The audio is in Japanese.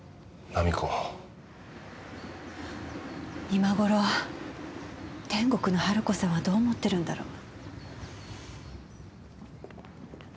今頃天国の春子さんはどう思ってるんだろう？